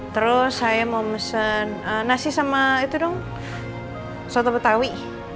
terus saya mau mesen nasi sama itu dong soto betawi